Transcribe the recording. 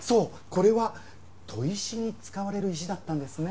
これは砥石に使われる石だったんですね。